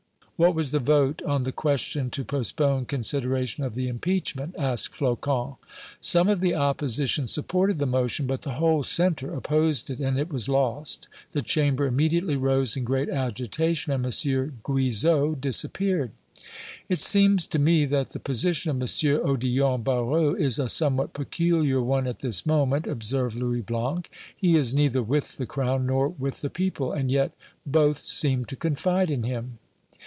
"What was the vote on the question to postpone consideration of the impeachment?" asked Flocon. "Some of the opposition supported the motion, but the whole centre opposed it, and it was lost. The Chamber immediately rose in great agitation, and M. Guizot disappeared." "It seems to me that the position of M. Odillon Barrot is a somewhat peculiar one at this moment," observed Louis Blanc. "He is neither with the Crown nor with the people, and yet both seem to confide in him."